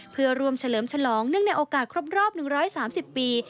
เพื่อรวมเฉลิมฉลองเนื่องในโอกาสครบรอบ๑๓๐ปี